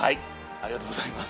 ありがとうございます。